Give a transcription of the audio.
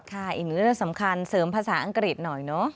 อีกหนึ่งเรื่องสำคัญเสริมภาษาอังกฤษหน่อยเนอะ